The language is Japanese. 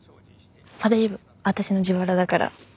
あっ大丈夫私の自腹だから。